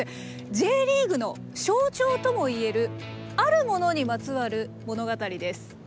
Ｊリーグの象徴とも言えるあるものにまつわる物語です。